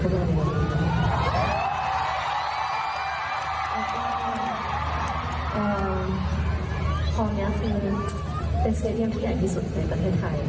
พ่อแกคือเป็นสเตรียมที่ใหญ่ที่สุดในประเทศไทย